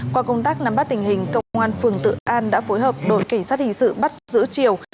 qua công tác nắm bắt tình hình công an phường tự an đã phối hợp đội kiểm soát hình sự bắt giữ triều